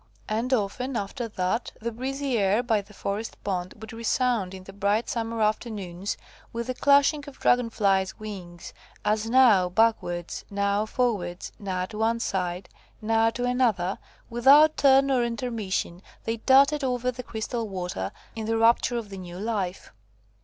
And often, after that, the breezy air by the forest pond would resound in the bright summer afternoons, with the clashing of Dragon flies' wings, as, now backwards, now forwards, now to one side, now to another, without turn or intermission, they darted over the crystal water, in the rapture of the new life.